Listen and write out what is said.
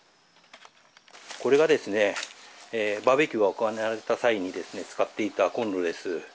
これがバーベキューが行われた際に使っていたコンロです。